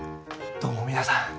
どうも皆さん